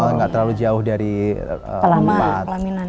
enggak terlalu jauh dari umat